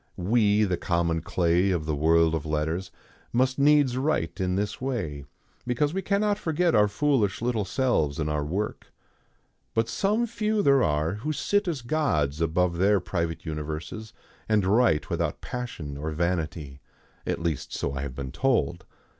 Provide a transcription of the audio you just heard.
We, the common clay of the world of letters, must needs write in this way, because we cannot forget our foolish little selves in our work. But some few there are who sit as gods above their private universes, and write without passion or vanity. At least, so I have been told.